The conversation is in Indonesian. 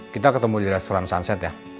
kita ketemu di restoran sunset ya